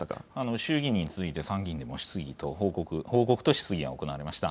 衆議院に続いて、参議院でも質疑と報告と質疑が行われました。